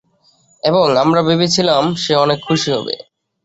এবং আমরা ভেবেছিলাম সে অনেক খুশি হবে।